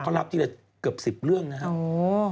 เขารับทีละเกือบ๑๐เรื่องนะครับ